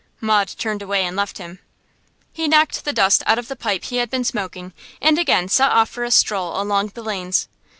Maud turned away and left him. He knocked the dust out of the pipe he had been smoking, and again set off for a stroll along the lanes.